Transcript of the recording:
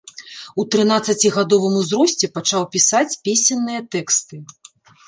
У трынаццацігадовым узросце пачаў пісаць песенныя тэксты.